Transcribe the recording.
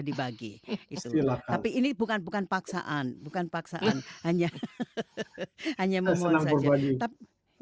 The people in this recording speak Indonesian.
dibagi istilah tapi ini bukan bukan paksaan bukan paksaan hanya hanya mengenal berbunyi